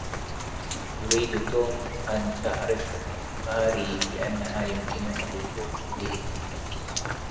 يريد توم أن تعرف ماري بأنها يمكنها الوثوق به.